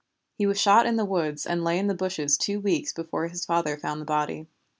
He was shot in the woods and lay in the bushes two weeks before his father found the body."